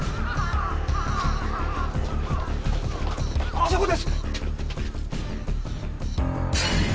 あそこです！